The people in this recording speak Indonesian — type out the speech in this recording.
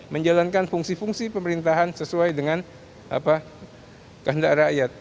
menjalankan fungsi fungsi pemerintahan sesuai dengan kehendak rakyat